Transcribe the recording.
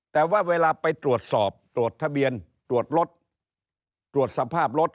แต่ว่าเวลาไปตรวจสอบตรวจทะเบียนตรวจรถตรวจสภาพรถ